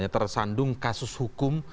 tersandung kasus hukum